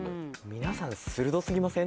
皆さん鋭過ぎません？